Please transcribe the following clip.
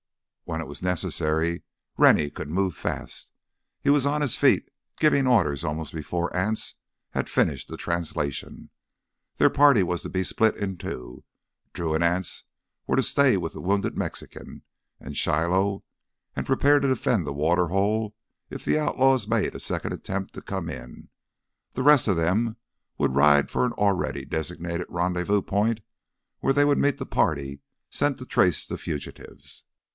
When it was necessary Rennie could move fast. He was on his feet giving orders almost before Anse had finished the translation. Their party was to be split in two. Drew and Anse were to stay with the wounded Mexican and Shiloh, and prepare to defend the water hole if the outlaws made a second attempt to come in. The rest of them would ride for an already designated rendezvous point where they would meet the party sent to trace the fugitives.